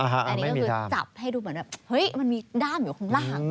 อันนี้ก็คือจับให้ดูเหมือนแบบเฮ้ยมันมีด้ามอยู่ข้างล่าง